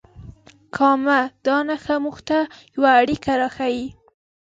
کامه دا نښه موږ ته یوه اړیکه راښیي.